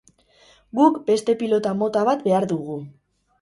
Guk beste pilota mota bat behar dugu.